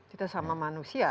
kita sama manusia kan